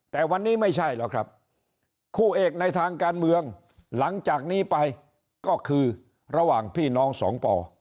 แต่วันนี้ไม่ใช่หรอกครับคู่เอกในทางการเมืองหลังจากนี้ไปก็คือระหว่างพี่น้องสองป่อ